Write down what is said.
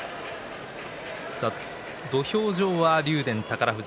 土俵上は竜電、宝富士。